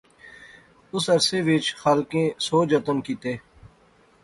اس عرصے وچ خالقیں سو جتن کیتے